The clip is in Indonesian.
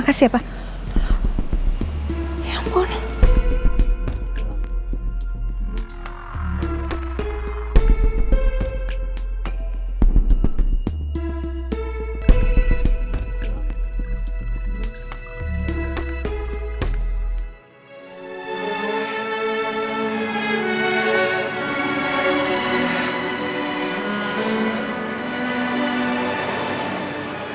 kasian keisha di luar kedinginan